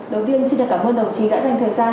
đầu tiên xin được cảm ơn đồng chí đã dành thời gian